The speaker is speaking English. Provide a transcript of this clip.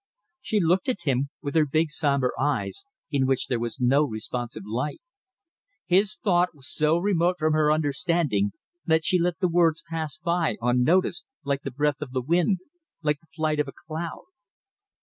She looked at him with her big sombre eyes, in which there was no responsive light. His thought was so remote from her understanding that she let the words pass by unnoticed, like the breath of the wind, like the flight of a cloud.